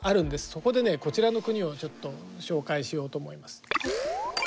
そこでねこちらの国をちょっと紹介しようと思います。